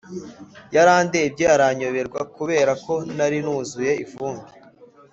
Yarandebye aranyoberwa kubera ko nari nuzuye ivumbi